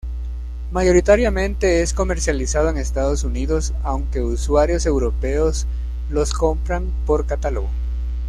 Mayoritariamente es comercializado en Estados Unidos, aunque usuarios europeos los compran por catálogo.